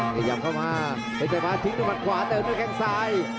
ขยับเข้ามาเจ้าเพชรสายฟ้าทิ้งด้วยมันขวาเดินด้วยทางซ้าย